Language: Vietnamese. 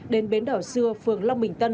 đến bến đảo xưa phường long bình tân